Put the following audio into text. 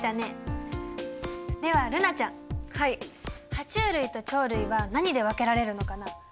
ハチュウ類と鳥類は何で分けられるのかな？